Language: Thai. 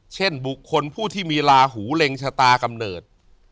เช่นบุคคลผู้ที่มีลาหูเล็งชะตากำเนิด